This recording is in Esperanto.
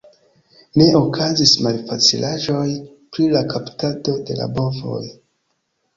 Ne okazis malfacilaĵoj pri la kaptado de la bovoj.